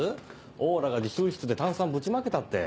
王羅が自習室で炭酸ぶちまけたって。